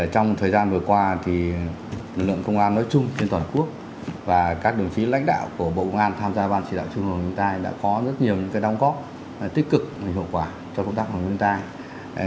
trong thời gian vừa qua thì lực lượng công an nói chung trên toàn quốc và các đồng chí lãnh đạo của bộ công an tham gia ban chỉ đạo chung hợp phòng chống thiên tai đã có rất nhiều cái đóng góp tích cực và hiệu quả cho công tác phòng chống thiên tai